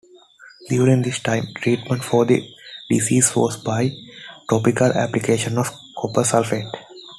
During this time treatment for the disease was by topical application of copper sulfate.